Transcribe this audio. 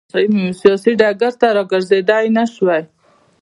سیاسي ډګر ته راګرځېدای نه شول.